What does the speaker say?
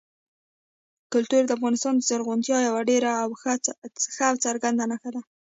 کلتور د افغانستان د زرغونتیا یوه ډېره ښه او څرګنده نښه ده.